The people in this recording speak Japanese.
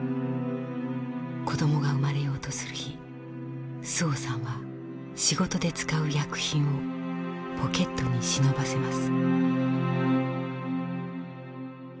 子供が生まれようとする日周防さんは仕事で使う薬品をポケットに忍ばせます。